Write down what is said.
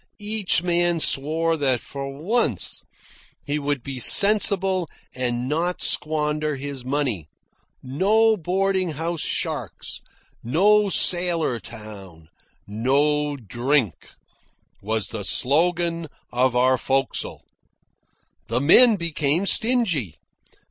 Each man swore that for once he would be sensible and not squander his money. No boarding house sharks, no sailor town, no drink, was the slogan of our forecastle. The men became stingy.